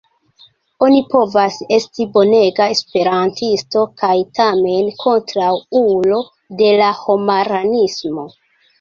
Oni povas esti bonega Esperantisto kaj tamen kontraŭulo de la homaranismo.